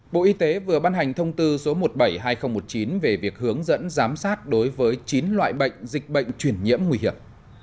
bộ y tế vừa ban hành thông tư số một trăm bảy mươi hai nghìn một mươi chín về việc hướng dẫn giám sát đối với chín loại bệnh dịch bệnh truyền nhiễm nguy hiểm